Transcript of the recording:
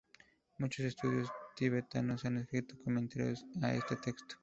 Muchos estudiosos tibetanos han escrito comentarios a este texto.